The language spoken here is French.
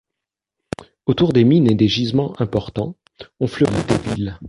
Autour des mines et des gisements importants ont fleuri des villes.